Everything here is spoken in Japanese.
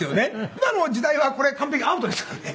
今の時代はこれ完璧アウトですからね。